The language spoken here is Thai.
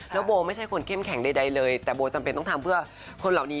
แล้วโบไม่ใช่คนเข้มแข็งใดเลยแต่โบจำเป็นต้องทำเพื่อคนเหล่านี้